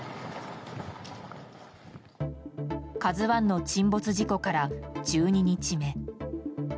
「ＫＡＺＵ１」の沈没事故から１２日目。